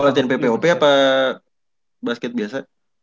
latihan ppop apa basket biasa